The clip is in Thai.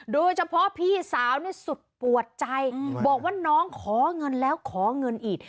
โดยเฉพาะพี่สาวนี่สุดปวดใจบอกว่าน้องขอเงินแล้วขอเงินอีก